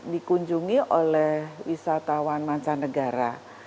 dikunjungi oleh wisatawan mancanegara